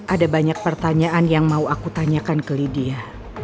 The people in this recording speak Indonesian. ada banyak pertanyaan yang mau aku tanyakan ke lidia